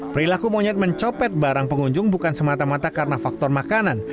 perilaku monyet mencopet barang pengunjung bukan semata mata karena faktor makanan